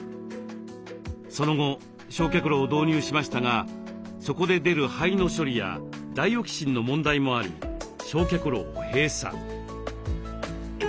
その後焼却炉を導入しましたがそこで出る灰の処理やダイオキシンの問題もあり焼却炉を閉鎖。